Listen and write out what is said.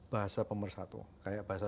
bahasa pemersatu kayak bahasa